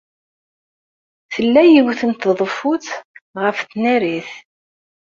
Tella yiwet n tḍeffut ɣef tnarit.